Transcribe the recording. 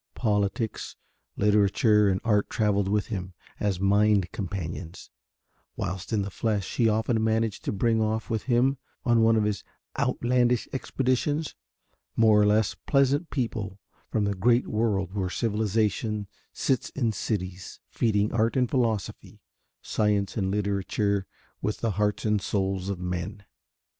Politics, Literature and Art travelled with him as mind companions, whilst in the flesh he often managed to bring off with him on his "outlandish expeditions" more or less pleasant people from the great world where Civilisation sits in cities, feeding Art and Philosophy, Science and Literature with the hearts and souls of men.